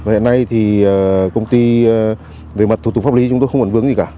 hiện nay thì công ty về mặt thủ tục pháp lý chúng tôi không còn vướng gì cả